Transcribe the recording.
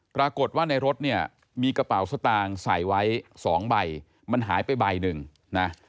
ปรากฏว่าในรถเนี่ยมีกระเป๋าสตางค์ใส่ไว้สองใบมันหายไปใบหนึ่งนะ